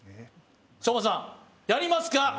将魔さん、やりますか？